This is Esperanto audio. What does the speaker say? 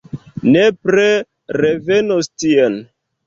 Nepre revenos tien!